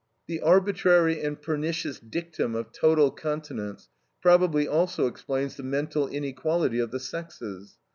The arbitrary and pernicious dictum of total continence probably also explains the mental inequality of the sexes.